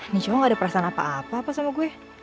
nih cuma gak ada perasaan apa apa sama gue